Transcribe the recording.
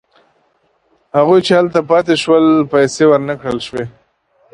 هغوی چې هلته پاتې شول پیسې ورنه کړل شوې.